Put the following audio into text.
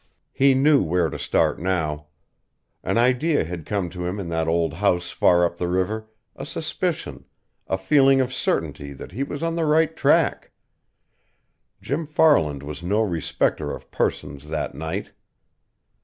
He knew where to start now. An idea had come to him in that old house far up the river, a suspicion, a feeling of certainty that he was on the right track. Jim Farland was no respecter of persons that night.